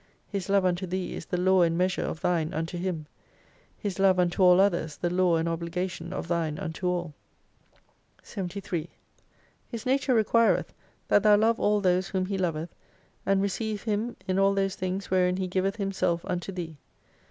His love unto thee is the law and measure of thine unto Him : His love unto all others the law and obligation of thine unto all. 73 His nature requireth that thou love all those whom He loveth, and receive Him in all those things wherein He giveth Himself unto thee.